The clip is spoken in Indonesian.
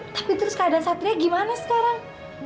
tapi terus keadaan satria gimana sekarang